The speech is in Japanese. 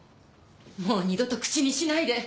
もう二度と口にしないで！